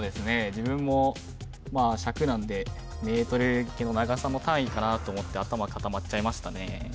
自分も尺なんでメートル長さの単位かなと思って頭固まっちゃいましたね